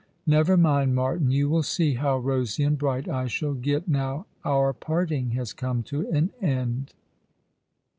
Never mind, Martin, you will see how rosy and bright I shall get now our parting has come to an end."